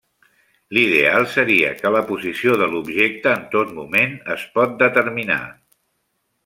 L'ideal seria que la posició de l'objecte en tot moment es pot determinar.